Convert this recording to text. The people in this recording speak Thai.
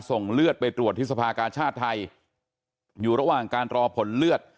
ส่งเลือดไปตรวจที่สภากาชาติไทยอยู่ระหว่างการรอผลเลือด